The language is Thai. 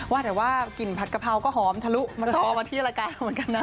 ว่าแต่ว่ากลิ่นผัดกะเพราก็หอมทะลุมรทอมาที่รายการเหมือนกันนะ